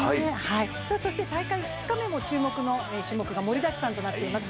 大会２日目も注目の種目が盛りだくさんとなっています。